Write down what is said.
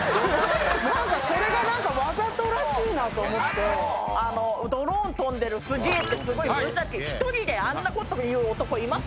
何かそれが何かわざとらしいなと思って「ドローン飛んでるすげえ」ってすごい無邪気１人であんなこと言う男います？